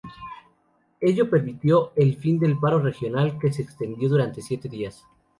Ello permitió el fin del paro regional, que se extendió durante siete días.